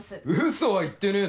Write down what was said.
嘘は言ってねえ